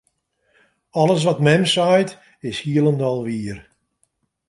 Alles wat mem seit, is hielendal wier.